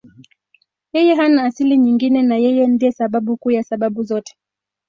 Yeye hana asili nyingine na Yeye ndiye sababu kuu ya sababu zote.